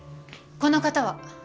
この方は？